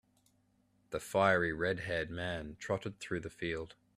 The fiery red-haired man trotted through the field.